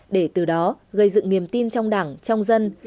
để từ đó gây dựng niềm tin trong đảng trong dân